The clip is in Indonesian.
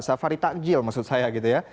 safari takjil maksud saya gitu ya